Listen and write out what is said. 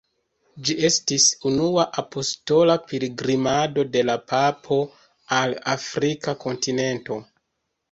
Ĝi estis unua apostola pilgrimado de la papo al Afrika kontinento.